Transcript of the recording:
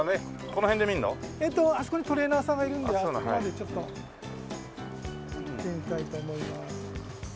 あそこにトレーナーさんがいるんであそこまでちょっと行ってみたいと思います。